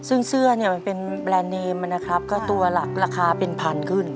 ซึ่งเสื้อเนี่ยมันเป็นแบรนด์เนมนะครับก็ตัวหลักราคาเป็นพันขึ้น